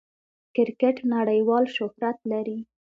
کرکټ نړۍوال شهرت لري.